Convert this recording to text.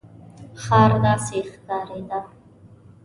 ښار داسې ښکارېده.